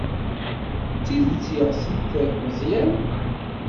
D tidet yeɣs-it Meẓyan?